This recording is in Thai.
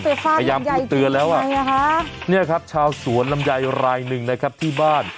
พยายามพูดเตือนแล้วอ่ะเนี่ยครับชาวสวนลำไยรายหนึ่งนะครับที่บ้าน